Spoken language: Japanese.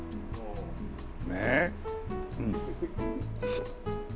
ねえ。